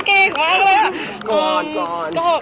เก่งมากเลยค่ะ